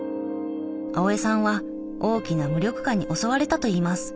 青江さんは大きな無力感に襲われたといいます。